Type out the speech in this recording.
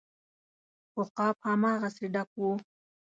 خو غاب هماغسې ډک و.